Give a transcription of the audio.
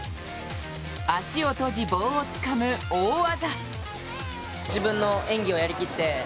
足を閉じ棒をつかむ大技。